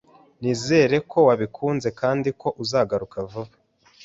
Nizere ko wabikunze kandi ko uzagaruka vuba.